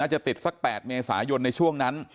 จะติดสัก๘เมษายนในช่วงนั้น